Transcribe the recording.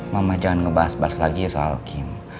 mama jangan ngebahas bahas lagi soal kim